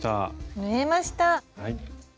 縫えました！